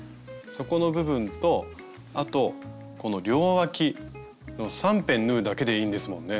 底の部分とあとこの両わき３辺縫うだけでいいんですもんね。